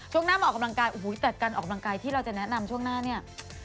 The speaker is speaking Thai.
ช่วงหน้ามาออกกำลังกายโอ้โหแต่การออกกำลังกายที่เราจะแนะนำช่วงหน้าเนี่ย